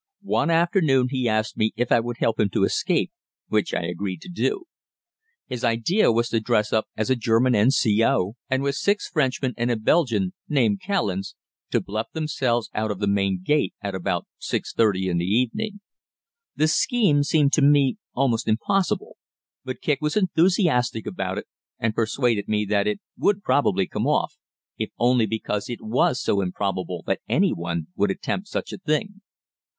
One afternoon he asked me if I would help him to escape, which I agreed to do. His idea was to dress up as a German N.C.O., and with six Frenchmen and a Belgian named Callens to bluff themselves out of the main gate at about 6.30 in the evening. The scheme seemed to me almost impossible but Kicq was enthusiastic about it, and persuaded me that it would probably come off, if only because it was so improbable that any one would attempt such a thing.